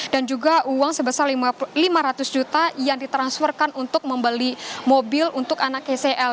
dan juga uang sebesar lima ratus juta yang ditransferkan untuk membeli mobil untuk anak sel